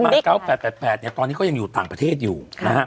๙๘๘เนี่ยตอนนี้ก็ยังอยู่ต่างประเทศอยู่นะฮะ